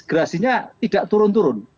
gerasinya tidak turun turun